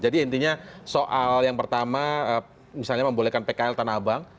intinya soal yang pertama misalnya membolehkan pkl tanah abang